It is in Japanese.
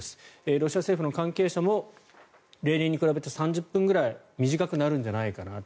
ロシア政府の関係者も例年に比べて３０分ぐらい短くなるんじゃないかと。